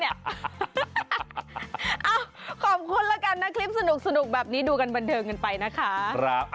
ขอบคุณแล้วกันนะคลิปสนุกแบบนี้ดูกันบันเทิงกันไปนะคะ